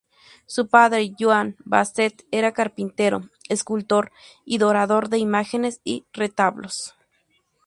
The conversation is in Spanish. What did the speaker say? Su padre, Joan Basset era carpintero, escultor y dorador de imágenes y retablos.